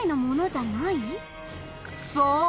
そう！